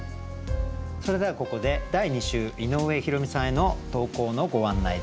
それではここで第２週井上弘美さんへの投稿のご案内です。